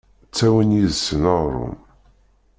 Ttawin yid-sen aɣrum…